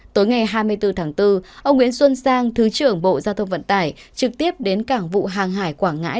tối ngày hai mươi bốn tháng bốn ông nguyễn xuân sang thứ trưởng bộ giao thông vận tải trực tiếp đến cảng vụ hàng hải quảng ngãi